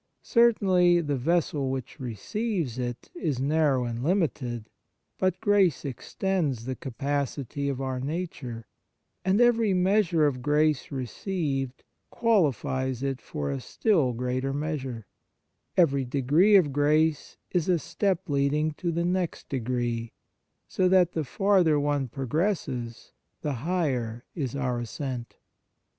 1 Certainly, the vessel which receives it is narrow and limited, but grace extends the capacity of our nature, and every 1 Thorn. 2, 2, qu. 24, a. 7. 2 7 THE MARVELS OF DIVINE GRACE measure of grace received qualifies it for a still greater measure; every degree of grace is a step leading to the next degree, so that the farther one progresses the higher is our ascent.